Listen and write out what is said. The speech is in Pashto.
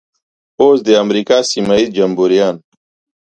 اوس د امریکا سیمه ییز جمبوریان.